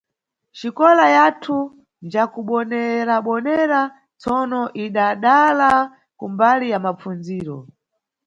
Xikola yathu njakubonerabonera tsono idadala kumbali ya mapfundziro.